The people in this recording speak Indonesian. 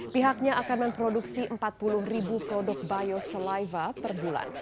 pihaknya akan memproduksi empat puluh ribu produk biosaliva per bulan